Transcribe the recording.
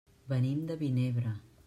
Venim de Vinebre.